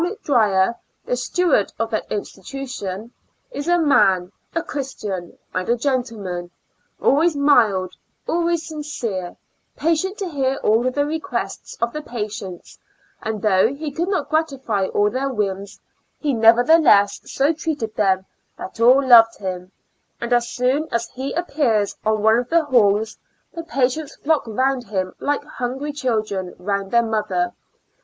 Drier, the steward of that institution, is a man^ a. christian^ and a gentleman^ always mild, always sincere, patient to hear all the requests of the patients, and though he could not gratify all their whims, he never theless so treated them, that all loved him, and as soon as he appears on one of the halls, the patients flock round him like hun gry children round their mother.